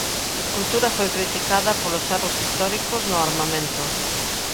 A escultura foi criticada polos erros históricos no armamento.